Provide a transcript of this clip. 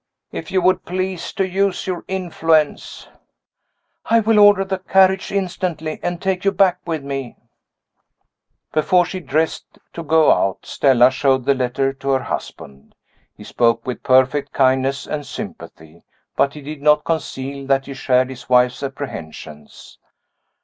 If you would please to use your influence " "I will order the carriage instantly, and take you back with me." Before she dressed to go out, Stella showed the letter to her husband. He spoke with perfect kindness and sympathy, but he did not conceal that he shared his wife's apprehensions.